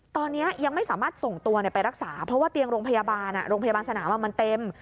ตอนนี้ยังไม่สามารถส่งตัวไปรักษาเพราะว่าเตียงโรงพยาบาลโรงพยาบาลสนามมันเต็ม